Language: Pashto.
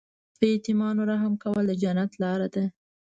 په یتیمانو رحم کول د جنت لاره ده.